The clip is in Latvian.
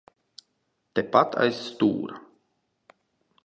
Tepat aiz stūra.